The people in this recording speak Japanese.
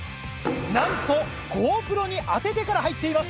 なんとＧｏＰｒｏに当ててから入っています。